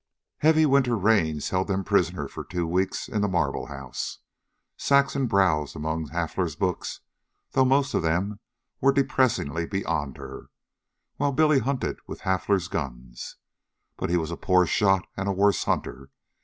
Heavy winter rains held them prisoners for two weeks in the Marble House. Saxon browsed among Hafler's books, though most of them were depressingly beyond her, while Billy hunted with Hafler's guns. But he was a poor shot and a worse hunter.